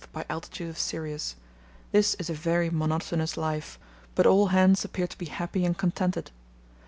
by altitude of Sirius. This is a very monotonous life, but all hands appear to be happy and contented.